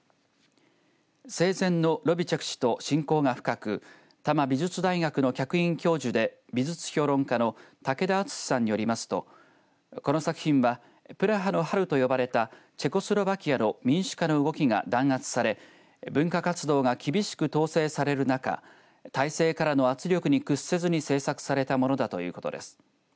生前のロゥビチェク氏と親交が深く多摩美術大学の客員教授で美術評論家の武田厚さんによりますとこの作品はプラハの春と呼ばれたチェコスロバキアの民主化の動きが弾圧され文化活動が厳しく統制される中体制からの抑圧に屈せずに制作されたものだということです。